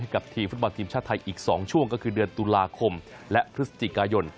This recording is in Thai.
กับทีมฟุตบอลทีมชาติไทยอีก๒ช่วงก็คือเดือนตุลาคมและพฤศจิกายน